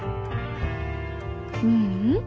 ううん。